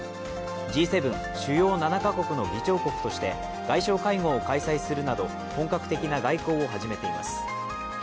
Ｇ７＝主要７か国の議長国として外相会合を開催するなど本格的な外交を始めています。